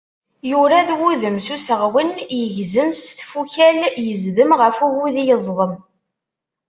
Yurad wudem, s useɣwen yegzem, s tfukal yezdem, ɣef ugudi yezḍem.